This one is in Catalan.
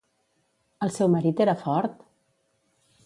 El seu marit era fort?